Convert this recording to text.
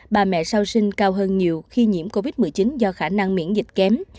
bà mẹ sau sinh cao hơn nhiều khi nhiễm covid một mươi chín do khả năng miễn dịch kém